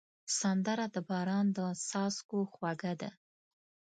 سندره د باران د څاڅکو خوږه ده